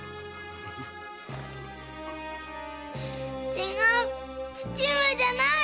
違う父上じゃない！